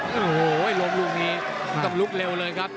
โอ้โหล้มลูกนี้ต้องลุกเร็วเลยครับ